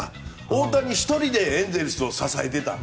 大谷１人でエンゼルスを支えていた。